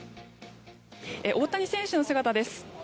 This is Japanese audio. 大谷選手の姿です。